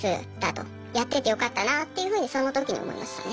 やっててよかったなっていうふうにその時に思いましたね。